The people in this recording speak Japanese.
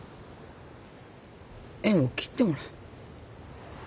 縁を切ってもらう。